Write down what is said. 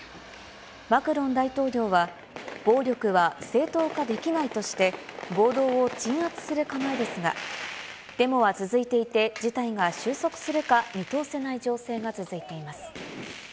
マクロン大統領は、暴力は正当化できないとして、暴動を鎮圧する構えですが、デモは続いていて、事態が収束するか見通せない情勢が続いています。